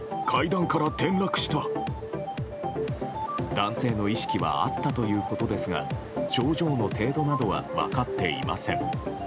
男性の意識はあったということですが症状の程度などは分かっていません。